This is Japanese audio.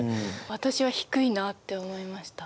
私は低いなって思いました。